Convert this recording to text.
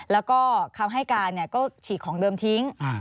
แล้วก็คำให้การก็ฉีกของเดิมทิ้ง